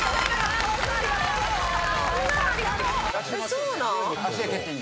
そうなん？